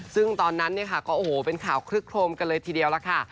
ซึ่งตอนนั้นเนี่ยค่ะก็โอ้โหเป็นข่าวคลึกโครมกันเลยทีเดียวล่ะค่ะ